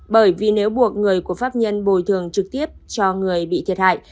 bởi vì nếu buộc người của pháp nhân bồi thường trực tiếp cho người bị thiệt hại